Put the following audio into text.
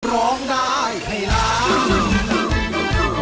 ร้องได้ให้ร้อง